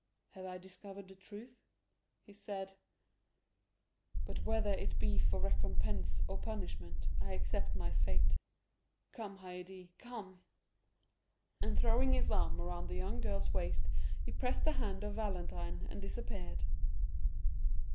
"Have I discovered the truth?" he said; "but whether it be for recompense or punishment, I accept my fate. Come, Haydée, come!" and throwing his arm around the young girl's waist, he pressed the hand of Valentine, and disappeared.